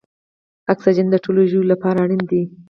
اکسیجن د ټولو ژویو لپاره اړین دی